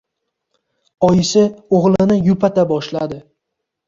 Oyisi o‘g‘lini yupata boshladi